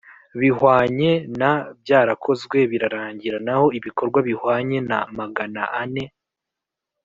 bihwanye na byarakozwe birarangira Naho ibikorwa bihwanye na Magana ane